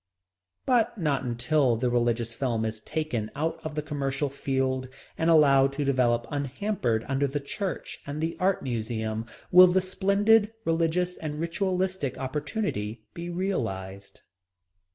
But not until the religious film is taken out of the commercial field, and allowed to develop unhampered under the Church and the Art Museum, will the splendid religious and ritualistic opportunity be realized.